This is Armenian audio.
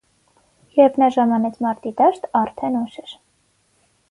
Երբ նա ժամանեց մարտի դաշտ, արդեն ուշ էր։